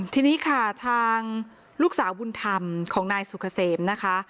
ทีนี้ค่ะทางลูกสาวบุญธรรมของนายสุกเกษมนะคะ